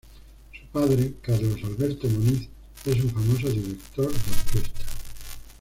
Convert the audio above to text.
Su padre, Carlos Alberto Moniz es un famoso director de orquesta.